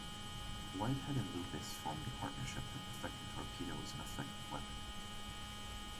Whitehead and Luppis formed a partnership to perfect the torpedo as an effective weapon.